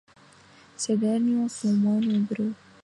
Ces derniers sont moins nombreux.